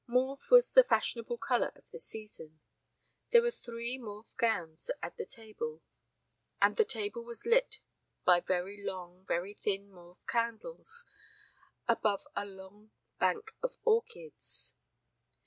Mauve was the fashionable color of the season. There were three mauve gowns and the table was lit by very long, very thin mauve candles above a low bank of orchids.